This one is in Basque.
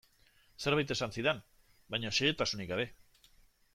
Zerbait esan zidan, baina xehetasunik gabe.